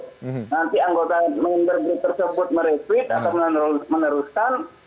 nanti anggota mengerjit tersebut meretweet atau meneruskan